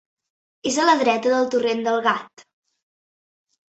És a la dreta del torrent del Gat.